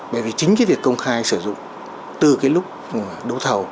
bởi vì chính cái việc công khai sử dụng từ cái lúc đấu thầu